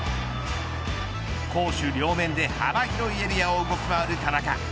攻守両面で幅広いエリアを動き回る田中。